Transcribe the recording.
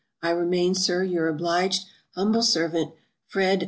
I remain, Sir, your obliged humble servant, FRED.